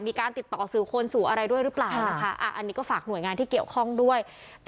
มีการติดต่อสื่อคนสู่อะไรด้วยหรือเปล่านะคะอันนี้ก็ฝากหน่วยงานที่เกี่ยวข้องด้วย